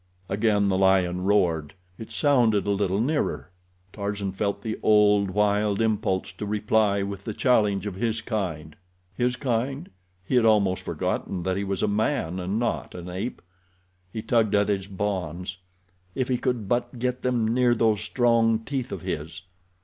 Again the lion roared. It sounded a little nearer. Tarzan felt the old, wild impulse to reply with the challenge of his kind. His kind? He had almost forgotten that he was a man and not an ape. He tugged at his bonds. God, if he could but get them near those strong teeth of his.